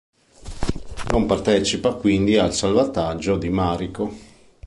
Non partecipa quindi al salvataggio di Mariko.